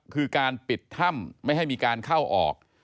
คือการปิดถ้ำไม่ให้มีการเข้าออก